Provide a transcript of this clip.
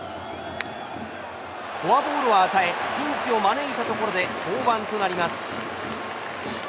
フォアボールを与えピンチを招いたところで降板となります。